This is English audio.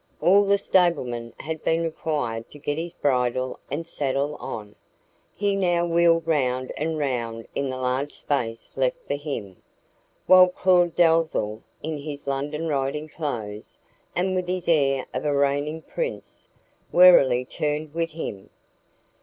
All the stablemen had been required to get his bridle and saddle on; he now wheeled round and round in the large space left for him, while Claud Dalzell, in his London riding clothes, and with his air of a reigning prince, warily turned with him.